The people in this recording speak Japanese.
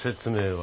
は？